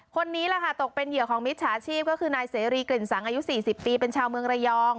คนนี้แหละค่ะตกเป็นเหยื่อของมิจฉาชีพก็คือนายเสรีกลิ่นสังอายุ๔๐ปีเป็นชาวเมืองระยอง